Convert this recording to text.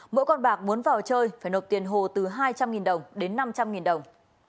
mỗi con bạc muốn vào chơi phải nộp tiền hồ từ hai trăm linh đồng đến năm trăm linh đồng